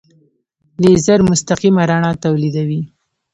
لیزر مستقیمه رڼا تولیدوي.